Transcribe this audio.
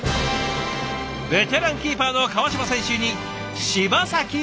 ベテランキーパーの川島選手に柴崎選手。